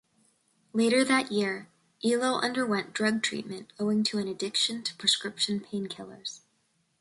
Later that year, Ehlo underwent drug treatment owing to an addiction to prescription painkillers.